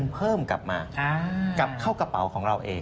เพราะว่ารัฐบาลเขาอุดหนุน